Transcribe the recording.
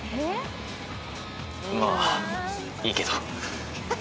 まあいいけど。